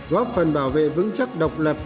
góp phần bảo vệ vững chắc độc lập